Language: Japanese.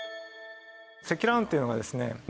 積乱雲というのがですね。